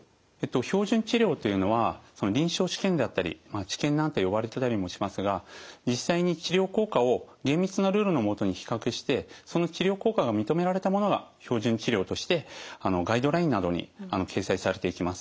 標準治療というのは臨床試験であったり「治験」なんて呼ばれてたりもしますが実際に治療効果を厳密なルールの下に比較してその治療効果が認められたものが標準治療としてガイドラインなどに掲載されていきます。